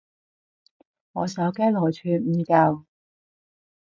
我手機內存唔夠